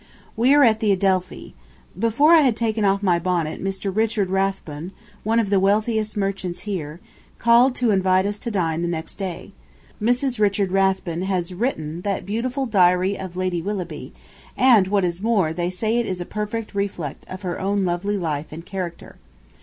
We are at the Adelphi. Before I had taken off my bonnet Mr. Richard Rathbone, one of the wealthiest merchants here, called to invite us to dine the next day ... Mrs. Richard Rathbone has written that beautiful "Diary of Lady Willoughby," and, what is more, they say it is a perfect reflect of her own lovely life and character.